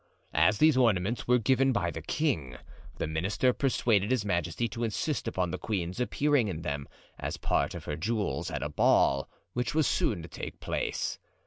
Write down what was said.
"As these ornaments were given by the king the minister persuaded his majesty to insist upon the queen's appearing in them as part of her jewels at a ball which was soon to take place.